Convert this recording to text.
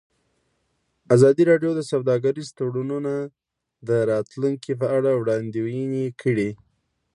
ازادي راډیو د سوداګریز تړونونه د راتلونکې په اړه وړاندوینې کړې.